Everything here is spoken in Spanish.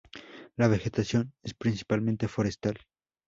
La vegetación es principalmente forestal.